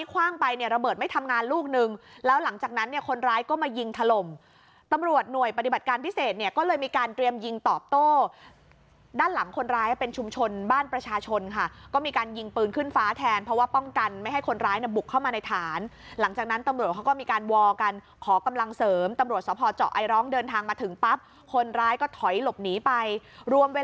กับหน่วยปฏิบัติการพิเศษเนี่ยก็เลยมีการเตรียมยิงตอบโต้ด้านหลังคนร้ายเป็นชุมชนบ้านประชาชนค่ะก็มีการยิงปืนขึ้นฟ้าแทนเพราะว่าป้องกันไม่ให้คนร้ายบุกเข้ามาในฐานหลังจากนั้นตำรวจเขาก็มีการวอลกันขอกำลังเสริมตำรวจสภเจาะไอร้องเดินทางมาถึงปั๊บคนร้ายก็ถอยหลบหนีไปรวมเ